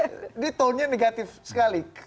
ini tone nya negatif sekali